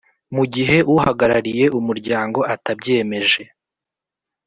Mu gihe uhagarariye umuryango atabyemeje